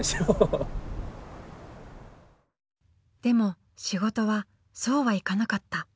でも仕事はそうはいかなかった。